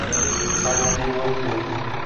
قدر یې وکړئ.